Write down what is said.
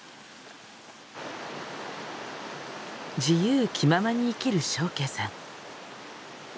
自由気ままに生きる祥敬さん。